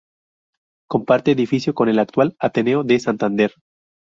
Comparte edificio con el actual Ateneo de Santander.